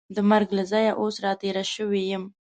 د مرګ له ځایه اوس را تېره شوې یم.